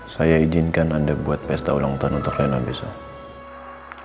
saya izinkan anda buat pesta ulang tahun untuk lena besok